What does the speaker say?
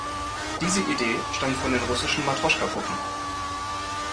Diese Idee stammt von den russischen Matrioshka-Puppen.